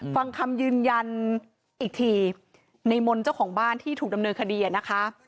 ฟังคำยืนยันอีกทีในมนต์เจ้าของบ้านที่ถูกดำเนินคดีนะคะ